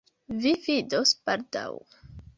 Vi vidos baldaŭ.